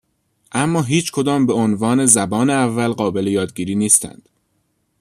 اما هیچ کدام به عنوان زبان اول قابل یادگیری نیستند.